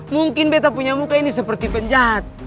mungkin beta punya muka ini seperti penjahat